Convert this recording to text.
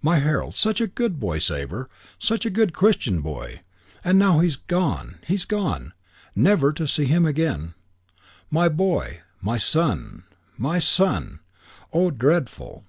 My Harold. Such a good boy, Sabre. Such a good, Christian boy. And now he's gone, he's gone. Never to see him again. My boy. My son. My son!" Oh, dreadful!